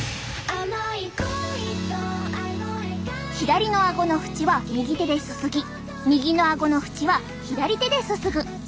左のあごの縁は右手ですすぎ右のあごの縁は左手ですすぐ。